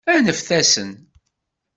Aneft-asen!